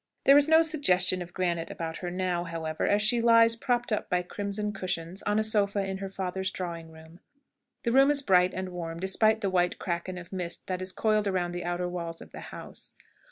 There is no suggestion of granite about her now, however, as she lies, propped up by crimson cushions, on a sofa in her father's drawing room. The room is bright and warm, despite the white kraken of mist that is coiled around the outer walls of the house.